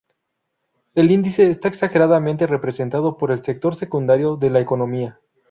El índice está exageradamente representado por el sector secundario de la economía.